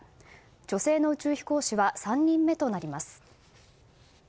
女性の宇宙飛行士は３人目となります。